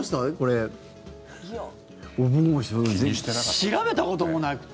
調べたこともなくて。